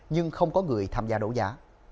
nhưng không có người tham gia đấu giá